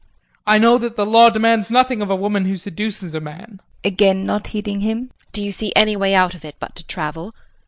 I know that the law demands nothing of a woman who seduces a man. JULIE [Again not heeding him]. Do you see any way out of it but to travel?